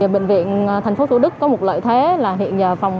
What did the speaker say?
bệnh viện thành phố thủ đức có một lợi thế là hiện phòng